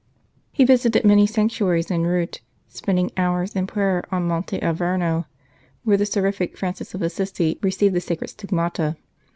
He visited many sanctuaries en route, spending hours in prayer on Monte Alverno, where the seraphic Francis of Assisi received the Sacred Stigmata.